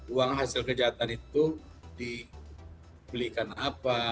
uang hasil kejahatan itu dibelikan apa